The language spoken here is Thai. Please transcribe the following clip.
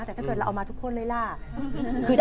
แต่ถ้าเกิดเราเอามาทุกคนเลยล่ะ